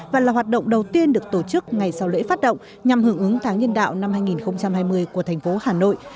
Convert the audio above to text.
và là hoạt động đầu tiên được tổ chức ngày sau lễ phát động nhằm hưởng ứng tháng nhân đạo năm hai nghìn hai mươi của thành phố hà nội